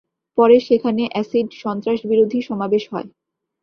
পরে সেখানে অ্যাসিড সন্ত্রাসবিরোধী সমাবেশ হয়।